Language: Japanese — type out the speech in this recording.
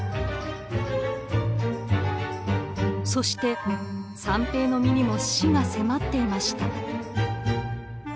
そして三平の身にも死が迫っていました。